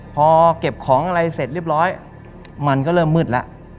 พอเก็บของอะไรเสร็จเรียบร้อยมันก็เริ่มมืดแล้ว